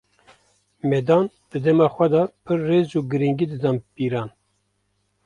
Medan, di dema xwe de pir rêz û girîngî dide pîran.